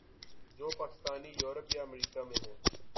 جو پاکستانی یورپ یا امریکا میں ہیں۔